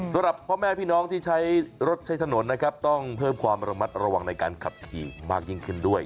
สำหรับพ่อแม่พี่น้องที่ใช้รถใช้ถนนนะครับต้องเพิ่มความระมัดระวังในการขับขี่มากยิ่งขึ้นด้วย